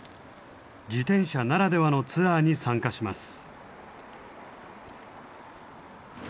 自転車ならではのツアーに参加します。